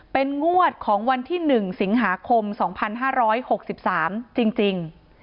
เป็นงวดของวันที่๑สิงหาคม๒๕๖๓จริง